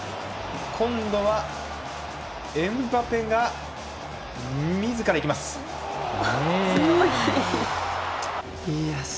今度はエムバペがみずから行きます。